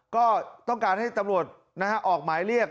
ก็ต้องการให้ตำรวจออกหมายเรียก